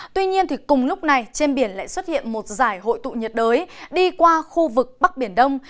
tuy nhiên cùng lúc này trên biển lại xuất hiện một giải hội tụ nhiệt đới đi qua khu vực bắc biển đông